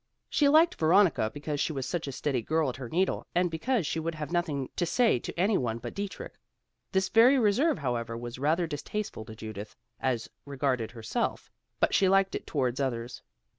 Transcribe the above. She liked Veronica because she was such a steady girl at her needle, and because she would have nothing to say to any one but Dietrich. This very reserve however, was rather distasteful to Judith as regarded herself, but she liked it towards others.